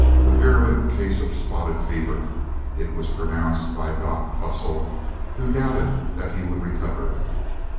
A virulent case of spotted fever, it was pronounced by "Doc" Fussel, who doubted that he would recover.